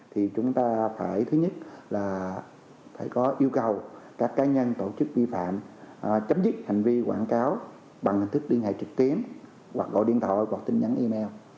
thì thứ nhất là phải có yêu cầu các cá nhân tổ chức vi phạm chấm dứt hành vi quảng cáo bằng hình thức liên hệ trực tiến hoặc gọi điện thoại hoặc tin nhắn email